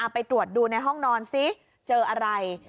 ไปตรวจดูในห้องนอนซิเจออะไร